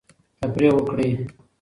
تفریح وکړئ.